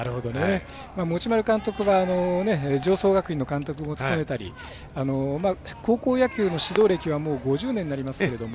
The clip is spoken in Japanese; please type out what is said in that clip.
持丸監督は常総学院の監督も務めたり高校野球の指導歴はもう５０年になりますけど。